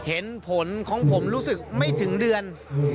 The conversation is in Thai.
เห็นผลของผมรู้สึกไม่ถึงเดือน